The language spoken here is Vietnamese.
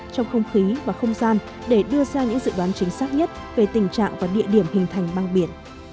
trong không khí và không gian để đưa ra những dự đoán chính xác nhất về tình trạng và địa điểm hình thành băng biển